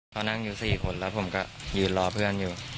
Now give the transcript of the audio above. เขานั่งอยู่๔คนแล้วผมก็ยืนรอเพื่อนอยู่